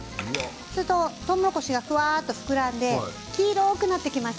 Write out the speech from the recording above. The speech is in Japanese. とうもろこしがふわっと膨らんで黄色くなってきます。